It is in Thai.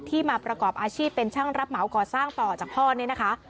มาประกอบอาชีพเป็นช่างรับเหมาก่อสร้างต่อจากพ่อเนี่ยนะคะ